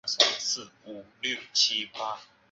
沙点是汉普斯德宅邸等豪宅的所在地。